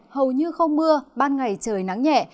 hầu như không mưa ban ngày trời nắng nhẹ